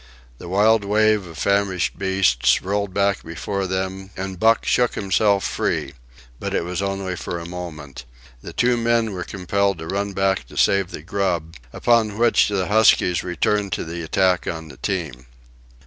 The wild wave of famished beasts rolled back before them, and Buck shook himself free. But it was only for a moment. The two men were compelled to run back to save the grub, upon which the huskies returned to the attack on the team.